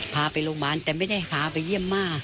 พาไปโรงพยาบาลแต่ไม่ได้หาไปเยี่ยมม่า